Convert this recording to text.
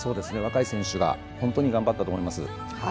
若い選手が本当に頑張ったと思います。